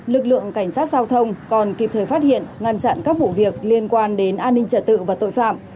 lực lượng cảnh sát giao thông còn kịp thời phát hiện ngăn chặn các vụ việc liên quan đến an ninh trả tự và tội phạm